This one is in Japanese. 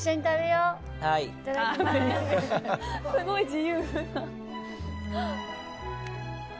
すごい自由。